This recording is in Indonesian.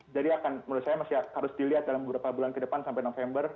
jadi akan menurut saya masih harus dilihat dalam beberapa bulan ke depan sampai november